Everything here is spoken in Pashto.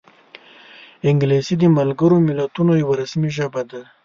انګلیسي د ملګرو ملتونو یوه رسمي ژبه ده